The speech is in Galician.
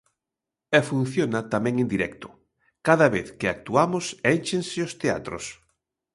E funciona tamén en directo: cada vez que actuamos énchense os teatros.